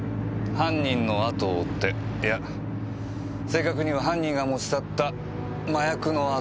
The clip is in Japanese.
犯人のあとを追っていや正確には犯人が持ち去った麻薬のあとを追って。